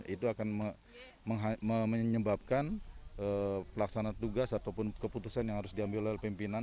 itu akan menyebabkan pelaksana tugas ataupun keputusan yang harus diambil oleh pimpinan